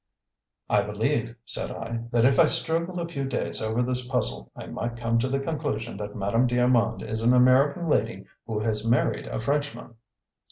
"I believe," said I, "that if I struggled a few days over this puzzle, I might come to the conclusion that Madame d'Armand is an American lady who has married a Frenchman."